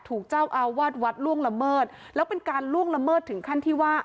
ถูกเจ้าอาวาสวัดล่วงละเมิดแล้วเป็นการล่วงละเมิดถึงขั้นที่ว่า